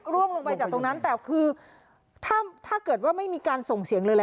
ร่วงลงไปจากตรงนั้นแต่คือถ้าเกิดว่าไม่มีการส่งเสียงเลย